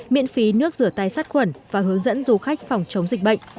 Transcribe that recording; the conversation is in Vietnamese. miễn phí nước rửa tay sát khuẩn và hướng dẫn du khách phòng chống dịch bệnh